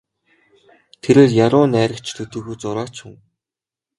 Тэрээр яруу найрагч төдийгүй зураач хүн.